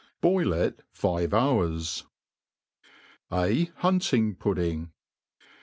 Boil i^ five bourse A Hunting Pudding.